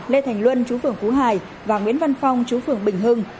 lê thành luân chú phường phú hải và nguyễn văn phong chú phường bình hưng